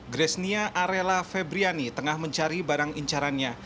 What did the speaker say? gresnia arela febriani tengah mencari barang incarannya